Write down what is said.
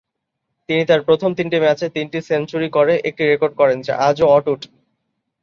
তিনি তাঁর প্রথম তিনটি ম্যাচে তিনটি সেঞ্চুরি করে একটি রেকর্ড করেন, যা আজও অটুট।